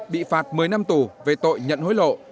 bị phạt một mươi năm tù về tội nhận hối lộ